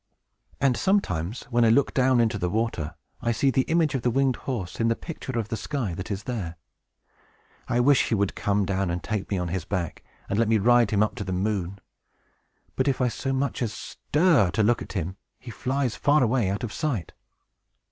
And sometimes, when I look down into the water, I see the image of the winged horse, in the picture of the sky that is there. I wish he would come down, and take me on his back, and let me ride him up to the moon! But, if I so much as stir to look at him, he flies far away out of sight."